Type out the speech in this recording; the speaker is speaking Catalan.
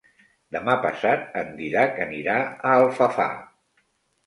Demà passat en Dídac anirà a Alfafar.